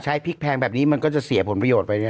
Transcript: พอใช้พลิกแพงแบบนี้มันก็จะเสียผลประโยชน์ไปเนี่ย